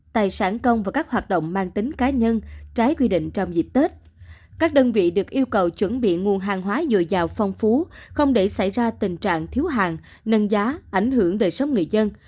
tài sản công và các hoạt động mang tính cá nhân trái quy định trong dịp tết các đơn vị được yêu cầu chuẩn bị nguồn hàng hóa dồi dào phong phú không để xảy ra tình trạng thiếu hàng nâng giá ảnh hưởng đời sống người dân